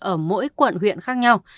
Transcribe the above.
ở mỗi quận huyện khác nhau